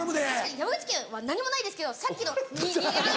山口県は何もないですけどさっきのあぁ。